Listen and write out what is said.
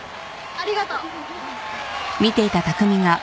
ありがとう。